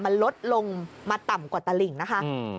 มันลดลงมาต่ำกว่าตลิ่งนะคะ